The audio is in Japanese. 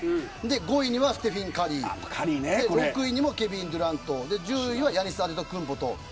５位にはステフィン・カリー６位はケビン・デュラント１０位はヤニス・アデトクンボ。